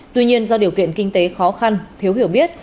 tuy nhiên do điều kiện kinh tế khó khăn thiếu hiểu biết